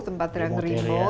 tempat yang remote